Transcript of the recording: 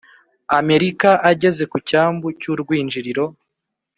Amerika Ageze ku cyambu cy urwinjiriro